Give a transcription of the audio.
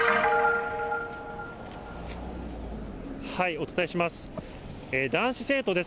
お伝えします。